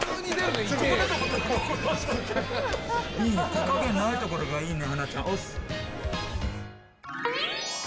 手加減ないところがいいね。